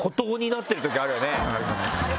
ありますね。